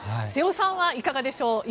瀬尾さんはいかがでしょう。